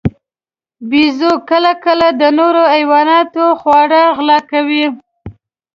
بیزو کله کله له نورو حیواناتو خواړه غلا کوي.